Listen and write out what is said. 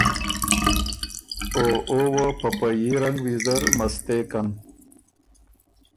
او او وه په په يي رنګ ویزر مستېکن۔